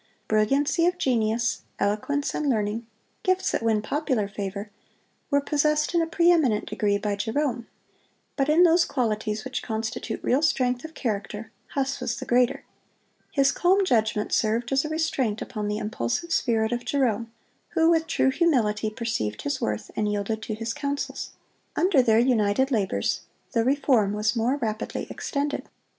Brilliancy of genius, eloquence and learning—gifts that win popular favor—were possessed in a preeminent degree by Jerome; but in those qualities which constitute real strength of character, Huss was the greater. His calm judgment served as a restraint upon the impulsive spirit of Jerome, who, with true humility, perceived his worth, and yielded to his counsels. Under their united labors the reform was more rapidly extended.